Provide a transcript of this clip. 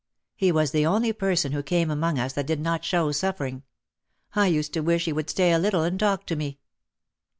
He was the only person who came among us that did not show suffering. I used to wish he would stay a little and talk to me.